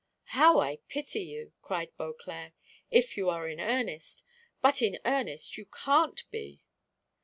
"How I pity you!" cried Beauclerc, "if you are in earnest; but in earnest you can't be."